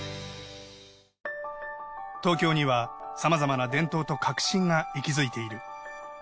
東京にはさまざまな伝統と革新が息づいている。